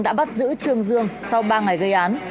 đã bắt giữ trương dương sau ba ngày gây án